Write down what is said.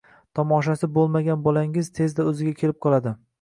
Tomoshasi o‘tmagan bolangiz tezda o‘ziga kelib qoladi.